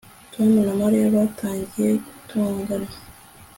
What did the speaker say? Tom na Mariya batangiye gutongana